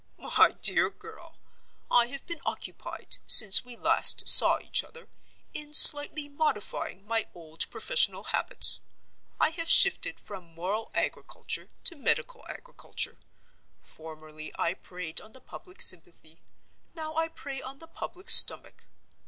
My dear girl, I have been occupied, since we last saw each other, in slightly modifying my old professional habits. I have shifted from Moral Agriculture to Medical Agriculture. Formerly I preyed on the public sympathy, now I prey on the public stomach.